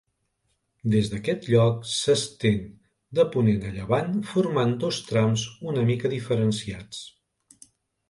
Des d'aquest lloc s'estén de ponent a llevant, formant dos trams una mica diferenciats.